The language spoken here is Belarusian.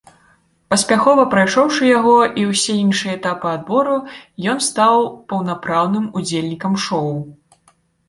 Паспяхова прайшоўшы яго, і ўсе іншыя этапы адбору, ён стаў паўнапраўным удзельнікам шоў.